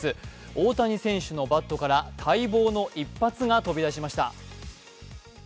大谷選手のバットから待望の一発が飛び出しました。